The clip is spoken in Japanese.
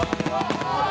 うわ！